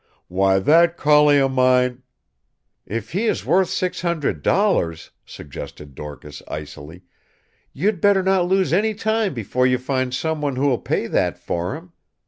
Why, that collie of mine " "If he is worth $600," suggested Dorcas icily, "you'd better not lose any time before you find someone who will pay that for him.